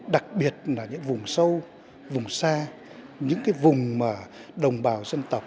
đặc biệt là những vùng sâu vùng xa những vùng đồng bào dân tộc